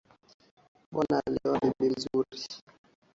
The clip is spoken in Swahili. Bwana alioa bibi mzuri